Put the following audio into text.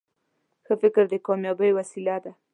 ښه فکر د کامیابۍ وسیله ده.